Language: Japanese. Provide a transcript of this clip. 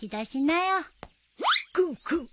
クンクン。